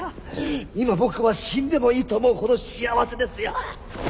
今僕は死んでもいいと思うほど幸せですよ。